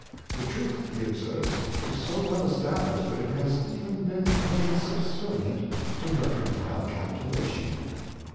The truth, he observes, is so well established that it has even been made subservient to mercantile calculation.